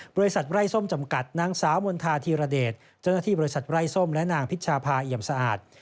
บริษัทไร้ส้มจำกัดนางสาวมณฑาธีรเดชเจ้าหน้าที่บริษัทไร้ส้มและนางพิชภาเอี่ยมสะอาด